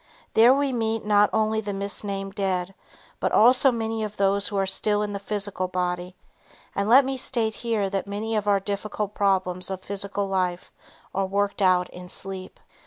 There we meet not only the misnamed dead but also many of those who are still in the physical body, and let me state here that many of our difficult problems of physical life are worked out in sleep.